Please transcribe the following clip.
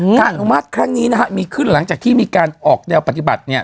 อนุมัติครั้งนี้มีขึ้นหลังจากที่มีการออกแดวปฏิบัติ